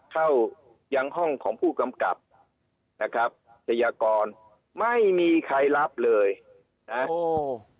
เข้ายังห้องของผู้กำกับนะครับชายกรไม่มีใครรับเลยนะโอ้